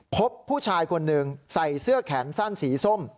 พบผู้ชายคนหนึ่งใส่เสื้อแขนสั้นสีส้ม